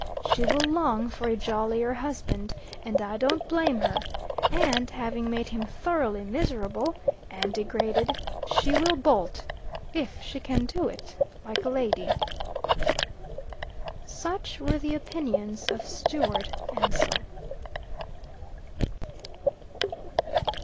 She will long for a jollier husband, and I don't blame her. And, having made him thoroughly miserable and degraded, she will bolt if she can do it like a lady." Such were the opinions of Stewart Ansell.